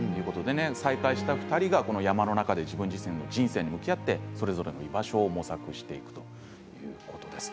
再会した２人が山の中で自分たちの人生に向き合ってそれぞれの居場所を模索していくということです。